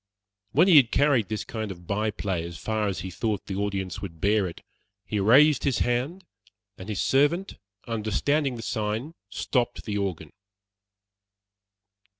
When he had carried this kind of by play as far as he thought the audience would bear it, he raised his hand, and his servant understanding the sign, stopped the organ.